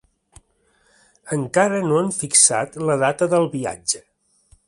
Encara no han fixat la data del viatge.